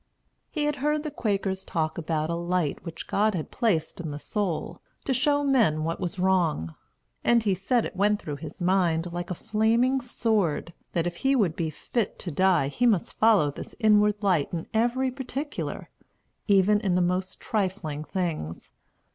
He had heard the Quakers talk about a light which God had placed in the soul, to show men what was wrong. And he said it went through his mind "like a flaming sword," that if he would be fit to die he must follow this inward light in every particular, even in the most trifling things.